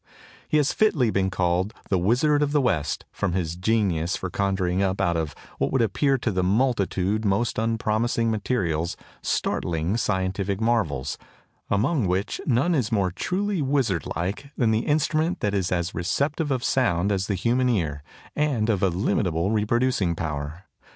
He has fitly been called the "Wizard of the West" from his genius for conjuring up out of what would appear to the multitude most unpromising materials startling scientific marvels, among which none is more truly wizard like than the instrument that is as receptive of sound as the human ear, and of illimitable reproducing power.